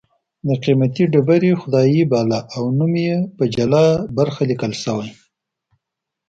د قېمتي ډبرې خدای یې باله او نوم یې په جلا برخه لیکل شوی